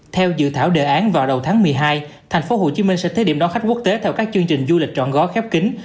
theo dự thảo đề án vào đầu tháng một mươi hai tp hcm sẽ thế điểm đón khách quốc tế theo các chương trình du lịch trọn gói khép kính